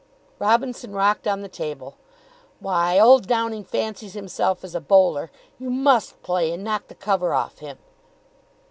Robinson rocked on the table. "Why, old Downing fancies himself as a bowler. You must play, and knock the cover off him."